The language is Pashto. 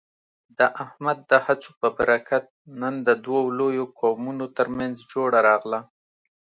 د احمد د هڅو په برکت، نن د دوو لویو قومونو ترمنځ جوړه راغله.